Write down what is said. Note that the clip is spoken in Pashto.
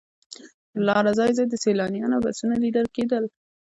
پر لاره ځای ځای د سیلانیانو بسونه لیدل کېدل.